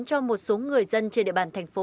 cho một số người dân trên địa bàn thành phố